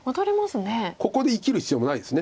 ここで生きる必要もないです。